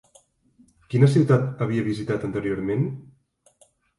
Quina ciutat havia visitat anteriorment?